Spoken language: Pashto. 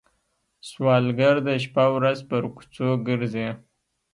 سوالګر د شپه ورځ پر کوڅو ګرځي